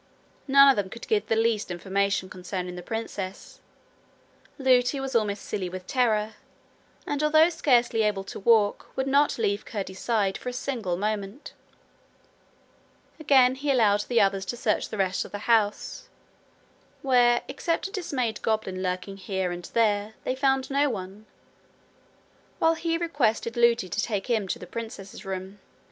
None of them could give the least information concerning the princess. Lootie was almost silly with terror, and, although scarcely able to walk would not leave Curdie's side for a single moment. Again he allowed the others to search the rest of the house where, except a dismayed goblin lurking here and there, they found no one while he requested Lootie to take him to the princess's room.